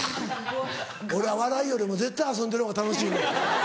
俺はお笑いよりも絶対遊んでるほうが楽しいもん。